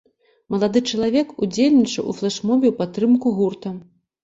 Малады чалавек удзельнічаў у флэшмобе ў падтрымку гурта.